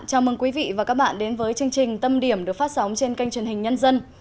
chào mừng quý vị và các bạn đến với chương trình tâm điểm được phát sóng trên kênh truyền hình nhân dân